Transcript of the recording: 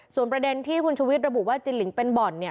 ส่วนประเด็นที่คุณชุวิตระบุว่าจินลิงเป็นบ่อนเนี่ย